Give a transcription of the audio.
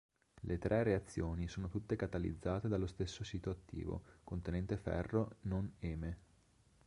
Le tre reazioni sono tutte catalizzate dallo stesso sito attivo contenente ferro non eme.